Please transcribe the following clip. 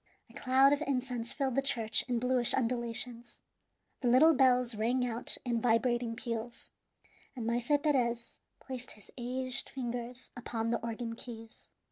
A cloud of incense filled the church in bluish undulations. The little bells rang out in vibrating peals, and Maese Perez placed his aged fingers upon the organ keys.